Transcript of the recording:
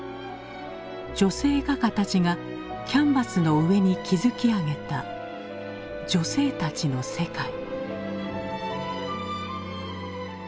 女性画家たちがキャンバスの上に築き上げた女性たちの世界。